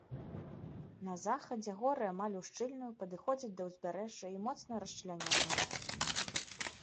На захадзе горы амаль ушчыльную падыходзяць да ўзбярэжжа і моцна расчлянёныя.